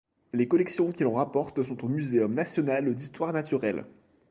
Les collections qu'il en rapporte sont au Muséum national d'histoire naturelle.